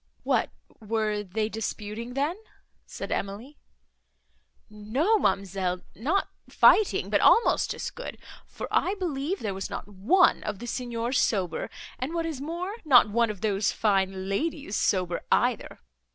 "What, were they disputing, then?" said Emily. "No, ma'amselle, nor fighting, but almost as good, for I believe there was not one of the Signors sober; and what is more, not one of those fine ladies sober, either.